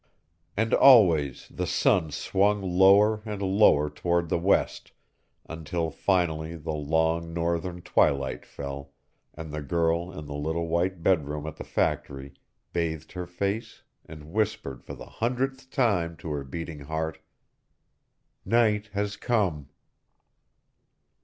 And always the sun swung lower and lower toward the west, until finally the long northern twilight fell, and the girl in the little white bedroom at the factory bathed her face and whispered for the hundredth time to her beating heart: "Night has come!"